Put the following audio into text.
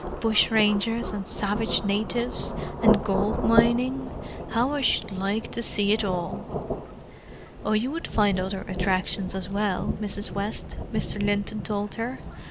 Bushrangers, and savage natives, and gold mining. How I should like to see it all!" "Oh, you would find other attractions as well, Mrs. West," Mr. Linton told her.